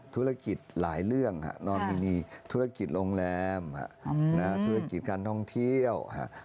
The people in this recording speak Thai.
ธุรกิจหลายเรื่องนอมินีธุรกิจโรงแรมธุรกิจการท่องเที่ยว